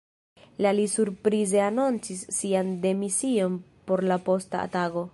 La li surprize anoncis sian demision por la posta tago.